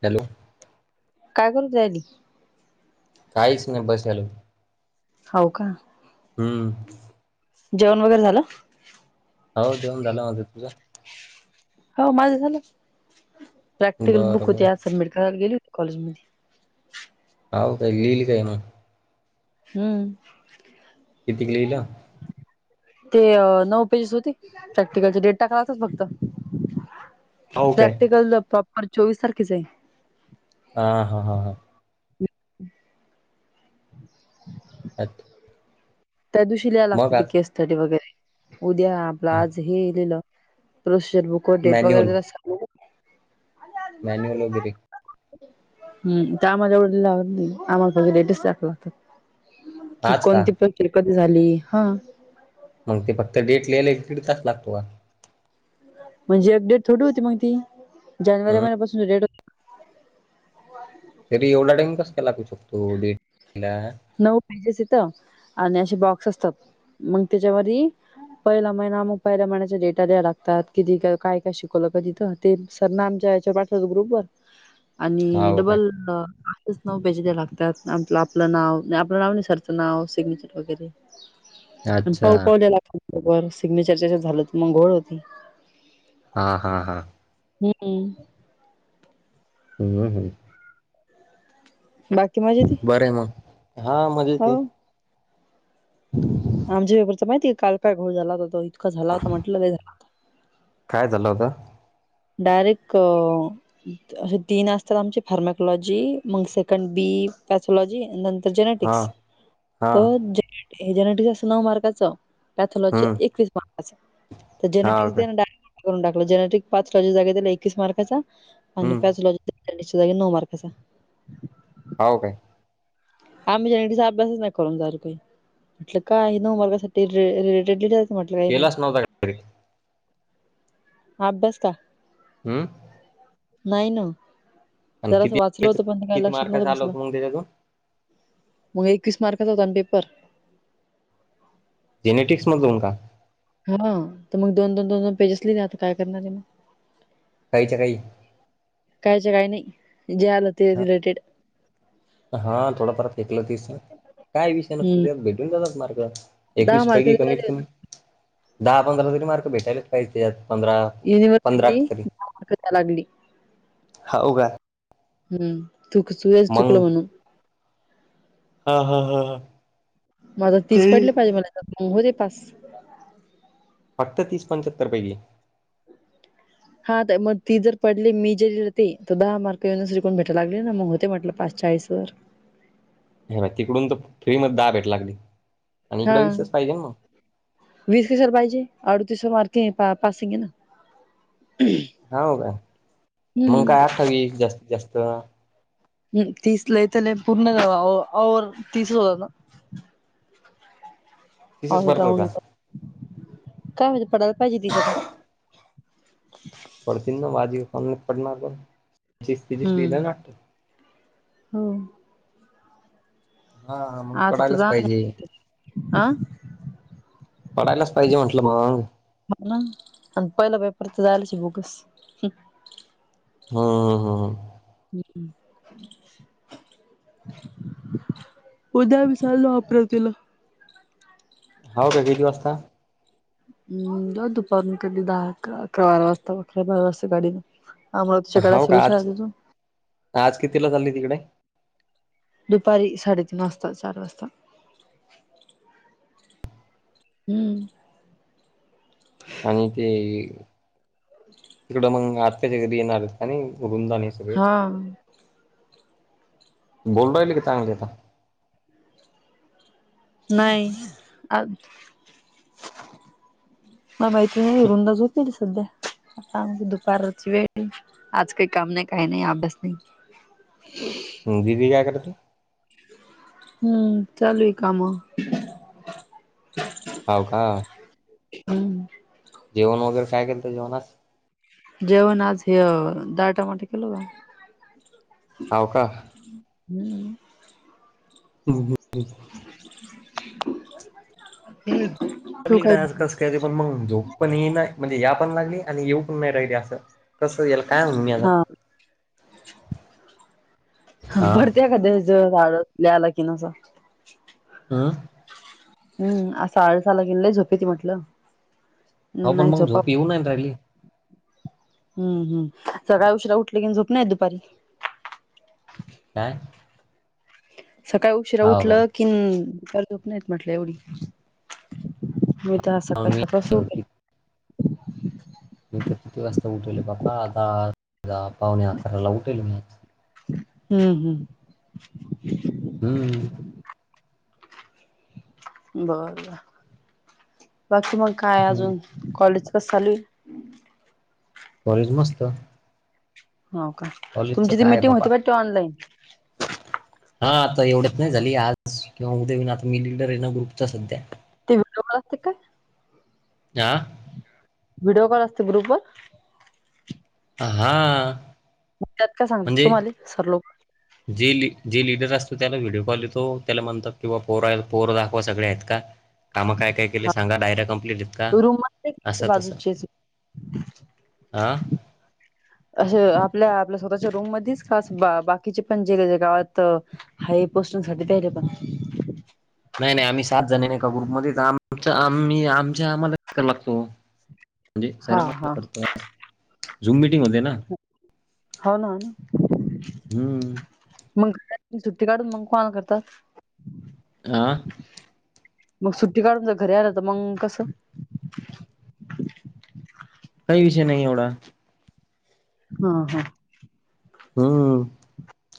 [inaudible] Hello काय करतोय- [inaudible] eddy काहीच नाही बसलेलोय हो का हम्म. जेवण वगैरे झालं. हो जेऊन झालं माझ तुझं? हो माझं झालं, प्रॅक्टिकल बुक बरं बर होते सबमिट करायला गेली होती कॉलेजमध्ये. [unintelligible] हा काय लिहिल काय ना हम्म किती गेल [unintelligible] ते नऊ पेजेस होती प्रॅक्टिकलची डेट टाकातच फक्त हो काय प्रॅक्टिकल प्रॉपर चोवीस तारखेच आहे ह हा हा हा ह [inaudible] अच् [inaudible] त्या दिवशी लिहायला लागतय ते केस स्टडी वगैरे उद्या आपलं आता आज हे लिहिलं [unintelligible] प्रोसिजर बुक डेट मॅन्युअल वगैरेला [unintelligible] मॅन्युअल वगैरे [unintelligible] हम् आम्हाच्यावढ ला आम्हाला लेटेस्ट दाख लातात. कि आज का कोणती प्रति कधी झाली हा मग ते फक्त डेट लिहिलेला एक दीड तास लागतो का म्हणजे एक डेट थोडी होती मग ती जानेवारी हम्म महिन्यापासून डेट तरी एवढा टाईम कस का लागू शकतो डेटला? नऊ पेजेस असतात आणि असे बॉक्स असतात मग त्याच्यावर पहिला महिना मग पहिल्या महिन्या डेटा द्याय लागतात किती काय काय शिकवलं क तिथं ते सरांना आमच्या या्याच्यावर पाठवतो ग्रुपवर आणि हाव काय डबल आठच नऊ पेजेस लागतात आपलं आपलं नाव आपलं नाव नाही सरचं नाव सिग्नेचर वगैरे अच्छा पाऊ पावलेला र सिग्नेचरच्या झालं की मग घोळ होत नहीं. हा हा हा. हम्म. हम्म हम. बाकी मजेत. बर मग हा मजेत ये. हो ह. आमच्या वेगर तर माहितीय कल की घोळ झाला होता तो इतकां झाला होता म्हटलं झालं. काय झालं होतं? डायरेक्ट. अे तीन असतात आमचे फार्मॅकोलॉजी मग सेकंड बी पॅथलॉजी तर हा जेनेटिक्स हा तर ज हे जेनेटिक्स असं नऊ मार्काचं पॅथोलॉजी हम्म एकवीस मार्क च तर हा हो जेनेटिक्स काय दे करून टाकल जेनेटिक् पाचलॉजीच्या जागे त्याला एकवीस मार्काचा आणि हम्म पाचलॉजीसच्या जागे नऊ मार्काचा. हो काय. हा म् जनेचा अभ्यासच नाही करून जाणार काही म्हटलं काय नऊ मार्कसाठी. म्हटलं, काही पण केलाच नव्हता का अभ्यास का. हमम. नाही ना जरा असं वाचल होतं पण काय लक्षात नव्हतं बसलं. उदय देतो मग एकवीस मार्काचा होता आणि पेपर. जेनेटिक्सध्ये मध्ये जाऊ नका. हा तर मग दोन दोन दोन पेजेस लिहिले आता काय करणारे मग. काहीच काही. कायच काही नाही जे आलं ते रिलेटेड हा थोडाफार फेकलंतीस ना काय विषय नसतो हं. तेत भेटून जातात मार्गे एकवीस मार्क पैकी कमीत दिले कमी दहा पंधराला तरी मार्क भेटायलाच पाहिजे यात पंधरा पंधरा युनिव्हर्सिटी अशरी मार्क द्यायला लागली. हा उ का हम्म तु सुश सुुकलं मग म्हणून हा हा हा हा. माझं तीस ते पडले पाहिजे मला हो दे पास फक्त तीस पंच्याहत्तर पैकी हा तर मग ती जर पडली मी जेलीते तर दहा मार्क येऊनसरी कोण भेटायला लागले ना मग होते म्हटलं पास चाळीस वर हे बरं तिकडून तर फ्री मध्ये दहा भेट लागली आणि इकडं विसेच पाहिजे ना मग वीस कशाला पाहिजे अडतीस मार्के पासिंग आहे ना हा का, मग हं. काय अठ्ठावीस जास्तीत जास्त हम् तीस ला त पूर्ण तीस हो भरतात ऑलराऊंड का काय मंजे पडायला पाहिजे तीस आता पडती ना बाजी पडणार पण तेवीस लिहिलं हम्म. ना हो. हा मग आता तर पडायलाच जाणार पाहिजे. आहे. आ? पडायलाच पाहिजे म्हटलं मग. पेपर हा हा हा ह हम् उद्या विसरलो आपरा तिला हाव काय किती वाजता? [inaudible] या दुपारन कधी दहा अकरा अकरा बारा वाजता अकरा बारा वाजता गाडीन. अमरावतीच्या गाड्या हाव सुरू का आज राहतात तिथून आज कितीला चालली तिकडे? दुपारी साडेतीन वाजता चार वाजता. हम्म! आणि ते तिकडं मंग आत्याच्या घरी येणार का नाय रुंदा हा सगळेच बोलू राहिले का चांगले आता? नाय मला माहित नाय रुंदा झोपलेली सध्या. आता आमची दुपारची वेळ आज काही काम नाही काही नाही अभ्यास नाही. हम्म दिदी काय करते? हम्म चालूय काम. हाव का! हम्म! जेवण वगैरे काय केलत जेवणास? जेवण आज हे दाळ टमाटे केलं. हाव का! हम्म! [unintelligible] [inaudible] तू काय आज कस काय पण मग झोप पण येईना म्हणजे या पण लागली आणि येऊ पण नाही राहिली असं कसं याला काय म्हणु मी आता? हा हा भरते एखाद्या वेळेस आस आ? हम् असा आळस आला की लय झोप येती म्हटलं. अहो पण नाही मग झोपा झोप येऊ नाय राहिली. हम् हम्म सकाळी उशिरा उठली की झोप नाही येत दुपारी. काय? सकाळी उशिरा हाव उठल कि दुपारी झोप नाही येत म्हटलं एवढी. मी म्हणते आज हाव सकाळ सकाळ मी मी तर किती वाजता उठले बापा आता पावणे अकराला उठले मी आज. हम्म हम्! हम्म! बर बर बाकी मग काय हम्म. अजून कॉलेज कस चालुये? कॉलेज मस्त! हो का कॉलेजचं तुमची ती काय मिटिंग बापा होती वाटतं ऑनलाईन. हा आता एवढ्यात नाही झाली आज किंवा उद्या होईन आता मी लिडर आहे ना ग्रुपचा सध्या. ते व्हिडिओ कॉल असते काय? आ? व्हिडिओ कॉल असते ग्रुप वर? हां! त्यात काय सांगतात तुम्हाले सर लोक? जे जे लिडर असतो त्याला व्हिडिओ कॉल येतो त्याला म्हणतात कि बाब पोर पोर दाखवा सगळे आहेत का. काम काय काय केले सांगा डायऱ्या कंप्लेटत का रूम मध्ये असं तसं. बाजूचेच आ! आस आपल्या आपल्या स्वतःच्या रूम मध्येच का बाकीचे पण जे गावात हाय पोस्टिंग साठी द्यायले पण नाही नाही आम्ही सात जण नाही का ग्रुपमध्ये आ आम आम्ही आमच्या आम्हाला लागतो म्हणजे हा सॅरामान हा करतो झूम मिटिंगमध्ये ना हो ना हम्म मग सुट्टी काढून मग कोण करतात आह मग सुट्टी काढून तर घरी आलं तर मग कसं काही विषय नाही एवढा हा हा हम्म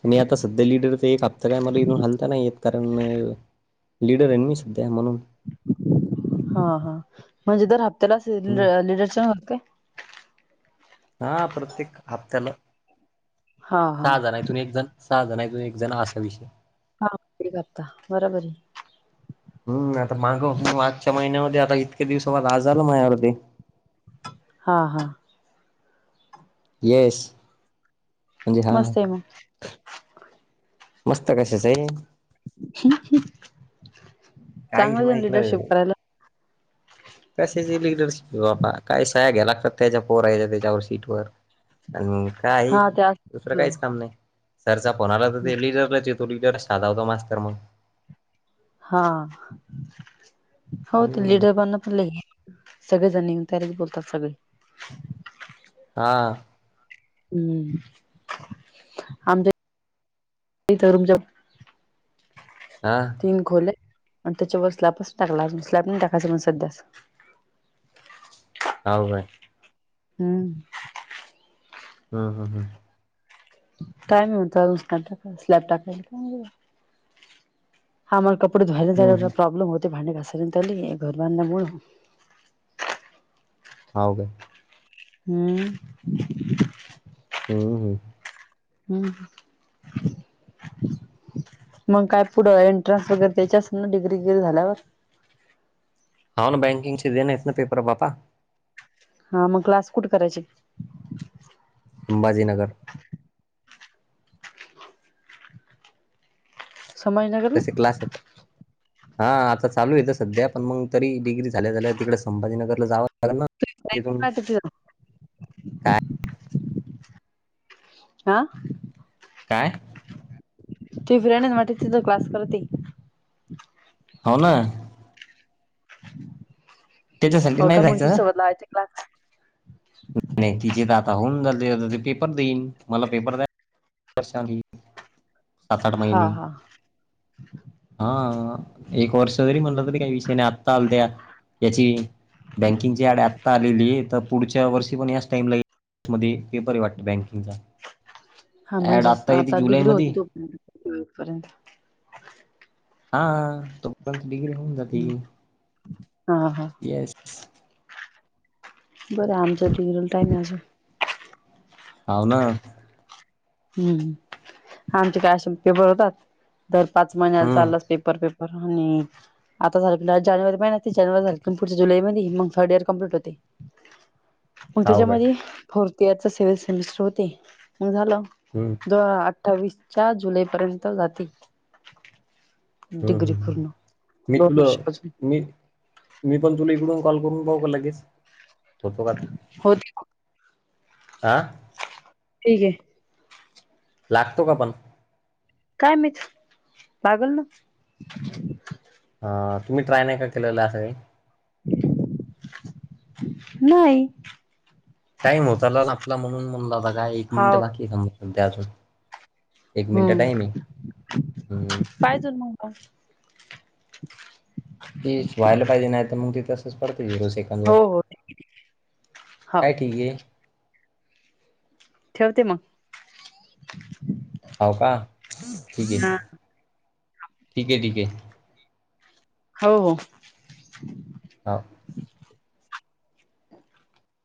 आणि आता सध्या लिडर तर एक हप्ता काय मला इथून हालता नाही येत कारण लिडर आहे मी सध्या म्हणून हा हा म्हणजे, दर हप्त्याला हम्म लिडर चे हप्ते हा प्रत्येक हप्त्याला हा हा सहा जण हायत. अजून एक जण सहा जणथून एक जण असा विषय हा ते करता बरोबर आहे. हम् आता माग म आजच्या महिन्यामध्ये आता इतके दिवस वा आ झाला माझ्या अवरी हा हा येस म्हणजे हां मस्त आहे मग मस्त कशाच आहे? काहीच चांगलं आहे ना मयतल लिडरशिप करायला कशाची लिडरशिप बाबा काय सहा घ्या लागतात त्याच्या पोरायच्या त्याच्यावर सीट वर आणि मग का आहे हा त्या दुसरं काहीच काम नाही सरचा फोनला तर ते लिडरलाच तो लीडर साधा होता मास्तर मग हा हो ते हम्म. लिडर बण पणलय सगळेजण येऊन त्यारीच बोलतात सगळे हा हम्म आमच्या तरून जब आह तीन खोले आणि त्याच्यावर स्लॅबच टाकला स्लॅब टाकायचं म्हण सध्या का उगय [unintelligible] हम् हा हा टाईम होता काल स्लॅब टाकायला. आम्हाला कपडे जवळ जवळ हम्म धुवायला जरा हम्म प्रॉब्लेम होते. भांडी घासायला हे घर बांधल्यामुळे हा मग हम्म हम् हम हम् मग काय पुढं एंट्रन्स वगैरे द्यायचे अस ना डिग्री वग्री झाल्यावर हा ना बँकिंग दे ना त पेपर प पापा हा मग क्लास कुठे करायची? संभाजीनगर संभाजीनगरला तसे क्लास यातात. हा आता चालू येत सध्या पण मग तरी डिग्री, झाल्या झाल्या तिकडे संभाजीनगर ला जाव तु का [unintelligible] काय आ काय ती फ्रेंड माझी तिथं क्लास करते. हो ना त्याच्यासाठी हो नाही का मग ती जायचं सोबत नाही तिचे तर आता होऊन पेपर देईन मला पेपर द्या. सात आठ हा महिने हा हा एक वर्ष जरी म्हटलं तरी काही विषय नाही. आता आल त्या याची बँकिंगची ॲड आत्ता आलेली आहे. तर पुढच्या वर्षी पण याच टाइम ला येईल मध्ये पेपर वाटत बँकिंगचा हा ऍड म्हणजेच येते आता डिग्री जुलैमध्ये होती तोपर्यंत हा... तोपर्यंत डिग्री होऊन जाते हम्म. हा हा येस. बरं... आमच्या डिग्रीला टाईम आहे अजून हो ना हम्म.... आमचे काय असे पेपर होतात. दर पाच महिन्याला हम्म चालू पेपर पेपर पुरवणी आता झालं की जानेवारी महिन्यात जानेवारी झाली की पुढच्या जुलै मध्ये मग थर्ड इयर कम्प्लीट होते मग हाव काय त्याच्यामध्ये फोर्थ इयरचे सेवेंथ सेमिस्टर होते मग झालं हम् अठ्ठावीस च्या जुलै पर्यंत जातील हम्म हम् मी दोन तुला वर्ष अजून मी मी पण तुला इकडून कॉल करून पाहू का लगेच होतो का? हो आह ठीक आहे लागतो का पण काय माहित लागलं ना हा तुम्ही ट्राय नाही का केलेला असेल नाही टाईम होता ना आपला म्हणून म्हणला काय एक मिनिट हाव बाकी सध्या अजून एक मिनिटं हम्म टाईम आहे. हम्म. तेच व्हायला पाहिजे नाही तर मग ती तसच पडते झिरो सेकंद हो वर हो हो काय ठीक आहे ठेवते मग हो का ठीक आहे. ठीक हा आहे. ठीक आहे हो हो हा